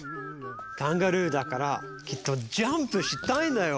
カンガルーだからきっとジャンプしたいんだよ。